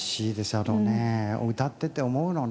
あのね歌っていて思うのね。